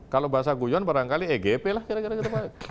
kalau bahasa guyon barangkali egp lah kira kira gitu pak